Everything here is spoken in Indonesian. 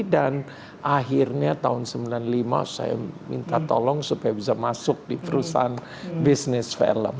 dan akhirnya tahun sembilan puluh lima saya minta tolong supaya bisa masuk di perusahaan bisnis film